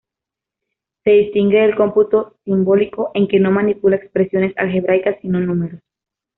Se distingue del cómputo simbólico en que no manipula expresiones algebraicas, sino números.